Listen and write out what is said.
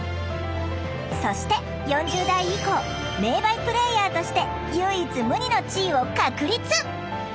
そして４０代以降名バイプレーヤーとして唯一無二の地位を確立！